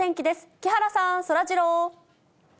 木原さん、そらジロー。